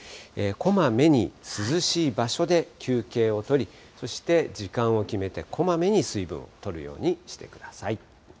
こまめに涼しい場所で休憩を取り、そして時間を決めてこまめに水分をとるようにしてください。